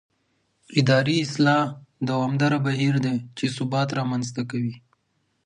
اداري اصلاح دوامداره بهیر دی چې ثبات رامنځته کوي